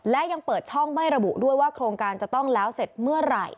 และยังเปิดช่องไม่ระบุด้วยว่าโครงการจะต้องแล้วเสร็จเมื่อไหร่